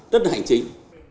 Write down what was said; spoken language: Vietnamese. rất là hành chính